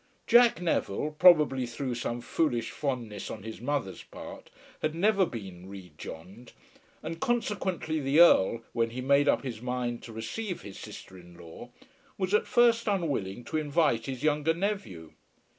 Jack Neville, probably through some foolish fondness on his mother's part, had never been re Johned, and consequently the Earl, when he made up his mind to receive his sister in law, was at first unwilling to invite his younger nephew.